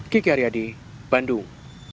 kiki aryadi bandung